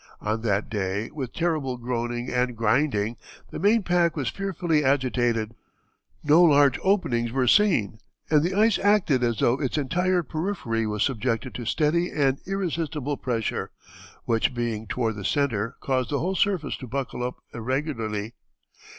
On that day, with terrible groaning and grinding, the main pack was fearfully agitated; no large openings were seen and the ice acted as though its entire periphery was subjected to steady and irresistible pressure, which being toward the centre caused the whole surface to buckle up irregularly.